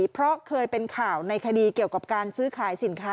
เพราะเคยเป็นข่าวในคดีเกี่ยวกับการซื้อขายสินค้า